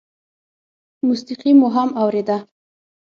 موسيقي مو هم اورېده.